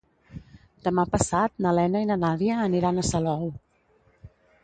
Demà passat na Lena i na Nàdia aniran a Salou.